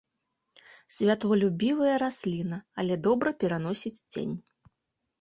Святлолюбівая расліна, але добра пераносіць цень.